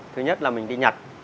thứ nhất là mình đi nhặt